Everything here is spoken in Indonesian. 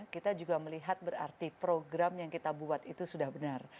kita juga melihat berarti program yang kita buat itu sudah benar